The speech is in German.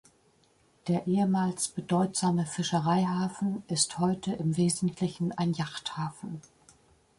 Der ehemals bedeutsame Fischereihafen ist heute im Wesentlichen ein Yachthafen.